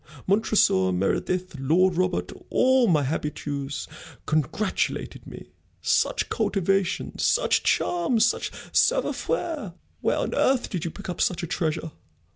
Montresor, Meredith, Lord Robert, all my habitués congratulated me. 'Such cultivation, such charm, such savoir faire! Where on earth did you pick up such a treasure?